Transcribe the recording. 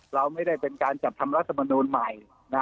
เราไม่ได้เป็นการจัดทำรัฐมนูลใหม่